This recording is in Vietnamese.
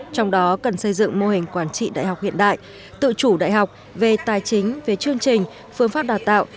trong đó cần xây dựng mô hình quản trị đại học hiện đại tự chủ đại học về tài chính về chương trình phương pháp đào tạo